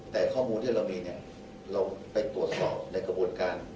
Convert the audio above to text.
แต่ข้อมูลที่เรามีเนี่ยเราไปตรวจสอบในกระบวนการ